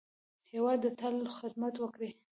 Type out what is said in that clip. هېواد ته تل خدمت وکړئ